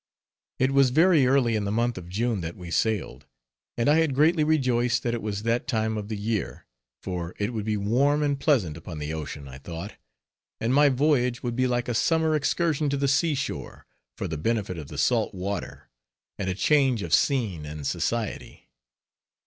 It was very early in the month of June that we sailed; and I had greatly rejoiced that it was that time of the year; for it would be warm and pleasant upon the ocean, I thought; and my voyage would be like a summer excursion to the sea shore, for the benefit of the salt water, and a change of scene and society.